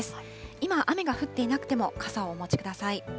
今、雨が降っていなくても傘をお持ちください。